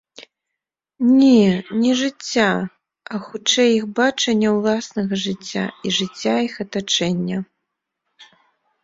Не, не жыцця, а хутчэй іх бачання ўласнага жыцця і жыцця іх атачэння.